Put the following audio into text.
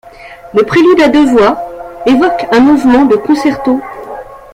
Le prélude à deux voix, évoque un mouvement de concerto.